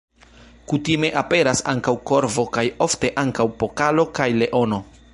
Kutime aperas ankaŭ korvo kaj ofte ankaŭ pokalo kaj leono.